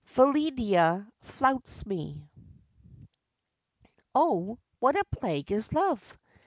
PHILLIDA FLOUTS ME. Oh, what a plague is love!